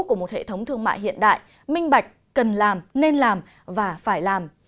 của một hệ thống thương mại hiện đại minh bạch cần làm nên làm và phải làm